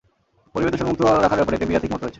পরিবেশ দূষণমুক্ত রাখার ব্যাপারে এতে বিরাট হিকমত রয়েছে।